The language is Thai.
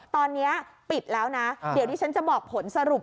ตอนนี้ปิดแล้วนะเดี๋ยวที่ฉันจะบอกผลสรุป